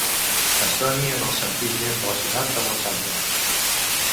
Es doni, en el sentit més relacionat amb l'Eixample.